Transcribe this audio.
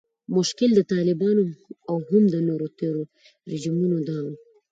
مشکل د طالبانو او هم د نورو تیرو رژیمونو دا و